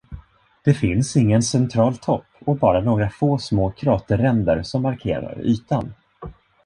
Det finns ingen central topp och bara några få små kraterränder som markerar ytan.